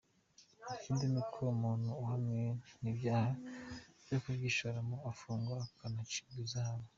Ikindi ni uko umuntu uhamwe n’ibyaha byo kubyishoramo afungwa akanacibwa ihazabu.